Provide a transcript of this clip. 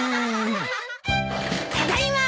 ただいま！